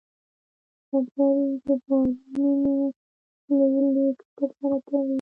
بیړۍ د بارونو لوی لېږد ترسره کوي.